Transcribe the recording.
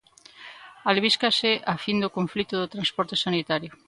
Albíscase a fin do conflito do transporte sanitario.